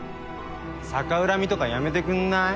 逆恨みとかやめてくんない？